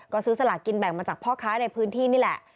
ก็ซื้อสลากกินแบ่งมาจากพ่อค้าในพื้นที่นี่แหละ